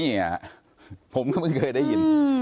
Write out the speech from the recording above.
เนี่ยผมก็ไม่เคยได้ยิน